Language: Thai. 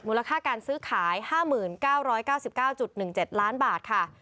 ลค่าการซื้อขาย๕๙๙๙๑๗ล้านบาทค่ะ